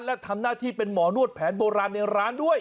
และทำหน้าที่เป็นหมอนวดแผนโบราณในร้านด้วย